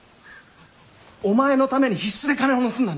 お前のために必死で金を盗んだんだ。